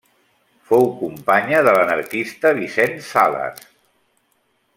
Fou companya de l'anarquista Vicent Sales.